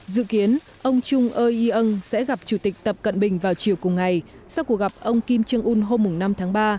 dự kiến ông chung eu yeon sẽ gặp chủ tịch tập cận bình vào chiều cùng ngày sau cuộc gặp ông kim jong un hôm năm tháng ba